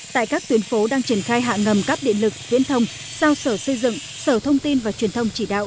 tại các tuyến phố đang triển khai hạ ngầm cắp điện lực viễn thông giao sở xây dựng sở thông tin và truyền thông chỉ đạo